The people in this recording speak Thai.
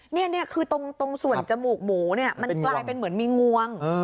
นี่คือตรงส่วนจมูกหมูเนี่ยมันกลายเป็นเหมือนมีงวง